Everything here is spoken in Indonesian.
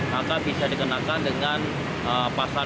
maka bisa dikenakan dengan pasal dua ribu delapan ratus tujuh puluh satu